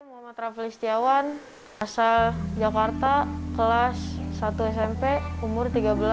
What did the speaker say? muhammad rafa listiawan asal jakarta kelas satu smp umur tiga belas